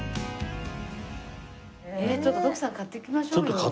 ちょっと徳さん買っていきましょうよ。